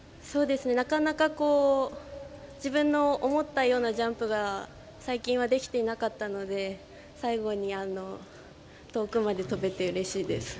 なかなか自分の思ったようなジャンプが最近は、できていなかったので最後に遠くまで飛べてうれしいです。